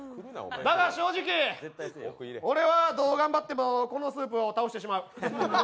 だが、正直俺はどう頑張ってもこのスープを倒してしまう。